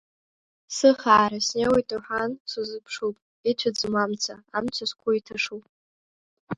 Сыхаара, снеиуеит уҳәан, сузыԥшуп, ицәаӡом амца, амца сгәы иҭашу.